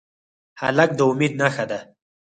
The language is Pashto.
هلک د امید نښه ده.